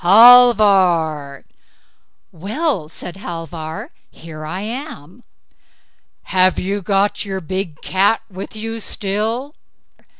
Halvor!" "Well", said Halvor, "here I am." "Have you got your big cat with you still?"